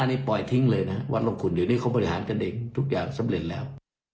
๖๕นี่ปล่อยทิ้งเลยนะวัดร่องขุนอยู่ในนี้เขาบริหารกันเองทุกอย่างสำเร็จแล้ว